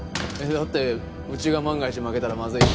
だってうちが万が一負けたらまずい。